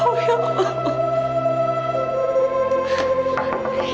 oh ya allah